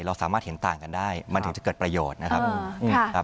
เราสามารถเห็นต่างกันได้มันถึงจะเกิดประโยชน์นะครับ